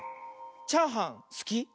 チャーハンすき？